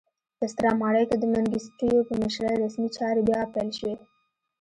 په ستره ماڼۍ کې د منګیسټیو په مشرۍ رسمي چارې بیا پیل شوې.